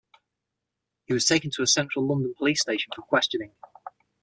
He was taken to a central London police station for questioning.